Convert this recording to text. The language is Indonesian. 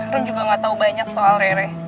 rom juga gak tau banyak soal rere